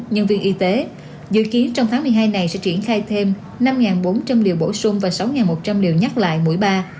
nhân viên y tế dự kiến trong tháng một mươi hai này sẽ triển khai thêm năm bốn trăm linh liều bổ sung và sáu một trăm linh liều nhắc lại mỗi ba